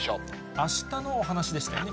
あしたのお話でしたよね。